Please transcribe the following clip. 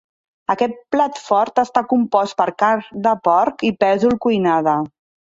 Aquest plat fort està compost per carn de porc i pèsol cuinada.